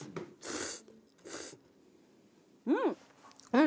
うん！